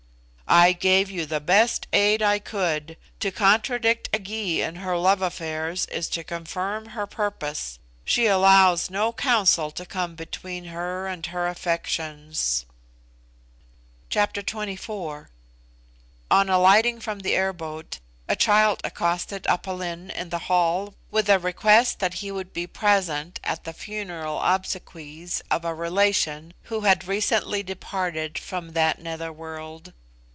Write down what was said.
"I gave you the best aid I could. To contradict a Gy in her love affairs is to confirm her purpose. She allows no counsel to come between her and her affections." Chapter XXIV. On alighting from the air boat, a child accosted Aph Lin in the hall with a request that he would be present at the funeral obsequies of a relation who had recently departed from that nether world.